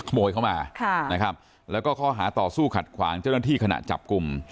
เข้ามานะครับแล้วก็ข้อหาต่อสู้ขัดขวางเจ้าหน้าที่ขณะจับกลุ่ม